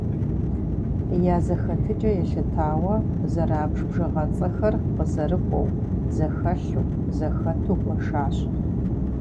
Я зэхэтыкӀэ елъытауэ зэрабж бжыгъэцӀэхэр къызэрыкӀуэу, зэхэлъу, зэхэту гуэшащ.